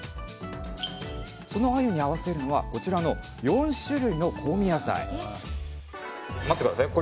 そのあゆに合わせるのはこちらの４種類の香味野菜待って下さい。